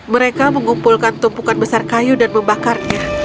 mereka mengumpulkan tumpukan besar kayu dan membakarnya